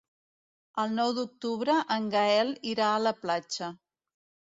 El nou d'octubre en Gaël irà a la platja.